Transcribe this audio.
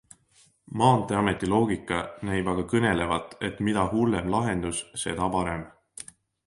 Maanteeameti loogika näib aga kõnelevat, et mida hullem lahendus, seda parem.